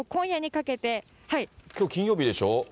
きょう金曜日でしょ。